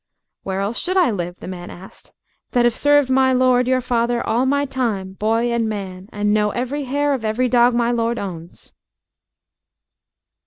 "Where else should I live?" the man asked, "that have served my lord, your father, all my time, boy and man, and know every hair of every dog my lord owns."